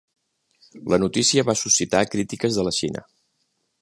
La notícia va suscitar crítiques de la Xina.